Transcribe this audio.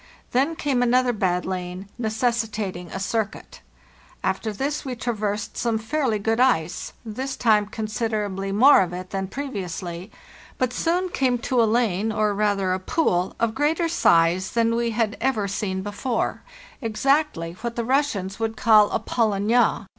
Then came another bad lane, necessitat ing a circuit. After this we traversed some fairly good ice, this time considerably more of it than previously, but soon came to a lane, or rather a pool, of greater size than we had ever seen before — ex A HARD STRUGGLE i) a io) actly what the Russians would call a 'polynja.